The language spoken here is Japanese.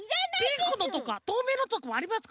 ピンクのとかとうめいのとかもありますから。